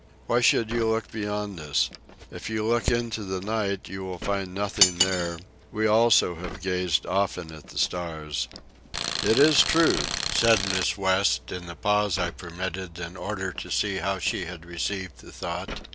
Why should you look beyond us? If you look Into the night, you will find nothing there: We also have gazed often at the stars.'" "It is true," said Miss West, in the pause I permitted in order to see how she had received the thought.